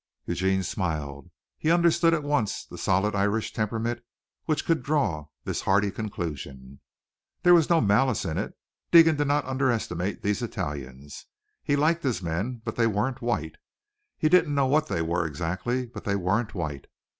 Eugene smiled. He understood at once the solid Irish temperament which could draw this hearty conclusion. There was no malice in it. Deegan did not underestimate these Italians. He liked his men, but they weren't white. He didn't know what they were exactly, but they weren't white.